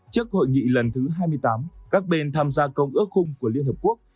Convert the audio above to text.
trước hội nghị lần thứ hai mươi tám các bên tham gia công ước khung của liên hợp quốc